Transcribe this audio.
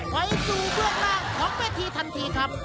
ไฟสู่เวิกล่าของเวทีทันทีครับ